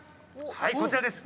はいこちらです。